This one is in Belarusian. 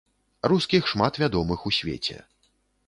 Рускіх шмат вядомых у свеце.